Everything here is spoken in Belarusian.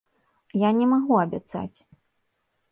Я не магу абяцаць.